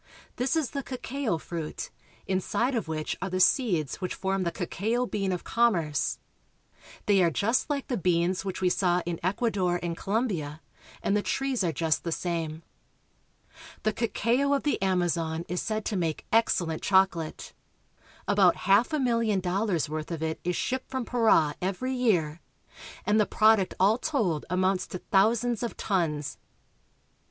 This is the cacao fruit, inside of which are the seeds which form the cacao bean of commerce. They are just like the beans which we saw in Ecuador and Colombia, and the trees are just the same. The cacao of the Amazon is said to make excellent chocolate. About half a milHon dollars' worth of it is shipped from Para every year, and the prod uct all told amounts to thousands of tons.